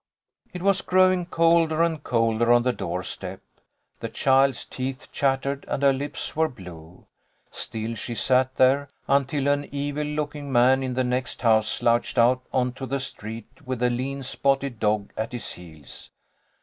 It was growing colder and colder on the doorstep. The child's teeth chattered and her lips were blue. Still she sat there, until an evil looking man in the next house slouched out on to the street with a lean spotted dog at his heels.